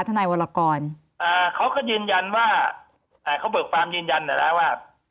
ธนายวรรกรอ่าเขาก็ยืนยันว่าอ่าเขาบอกความยืนยันเนี้ยแล้วว่า